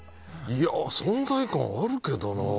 存在感あるけどな。